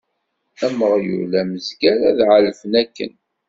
Am uɣyul, am uzger, ad ɛelfen akken.